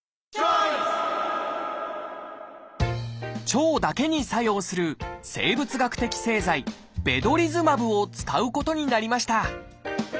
腸だけに作用する生物学的製剤「ベドリズマブ」を使うことになりました